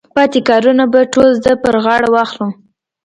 پاتې کارونه به ټول زه پر غاړه واخلم.